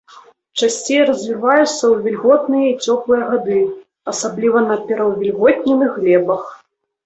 Часцей развіваецца ў вільготныя і цёплыя гады, асабліва на пераўвільготненых глебах.